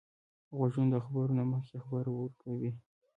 غوږونه د خبرو نه مخکې خبر ورکوي